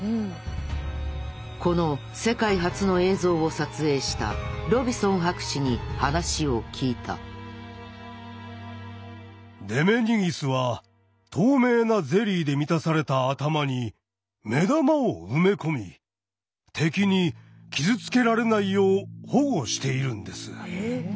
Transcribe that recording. この世界初の映像を撮影したロビソン博士に話を聞いたデメニギスは透明なゼリーで満たされた頭に目玉を埋め込み敵に傷つけられないよう保護しているんです。